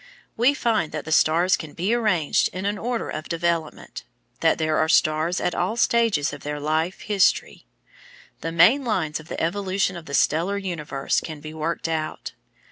We find that the stars can be arranged in an order of development that there are stars at all stages of their life history. The main lines of the evolution of the stellar universe can be worked out.